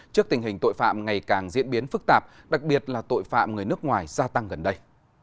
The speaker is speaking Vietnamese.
trước tình hình tội phạm ngày càng diễn biến phức tạp đặc biệt là tội phạm người nước ngoài gia tăng gần đây